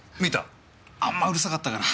あんまりうるさかったから。